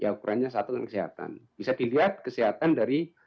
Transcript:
ukurannya satu dengan kesehatan bisa dilihat kesehatan dari